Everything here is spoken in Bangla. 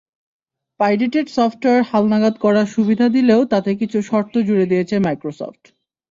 পাইরেটেড সফটওয়্যার হালনাগাদ করার সুবিধা দিলেও তাতে কিছু শর্ত জুড়ে দিয়েছে মাইক্রোসফট।